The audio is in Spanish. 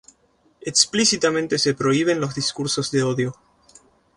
explícitamente se prohíben los discursos de odio